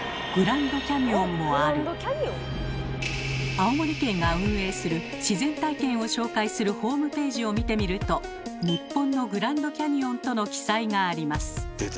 青森県が運営する自然体験を紹介するホームページを見てみると「日本のグランドキャニオン」との記載があります。